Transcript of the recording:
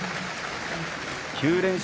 ９連勝。